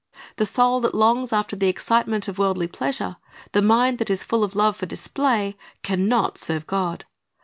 The soul that longs after the excitement of worldly pleasure, the mind that is full of love for display, can not serve God.